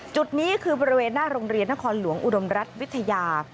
จุดนี้คือบริเวณหน้าโรงเรียนนครหลวงอุดมรัฐวิทยา